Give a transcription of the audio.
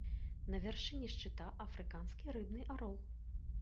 На вяршыні шчыта афрыканскі рыбны арол.